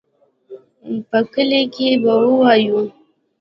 په کلي کښې به ووايو.